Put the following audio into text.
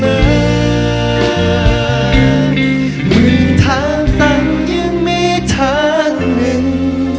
เหมือนทางตั้งยังมีทางหนึ่ง